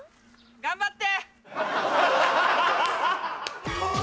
頑張って！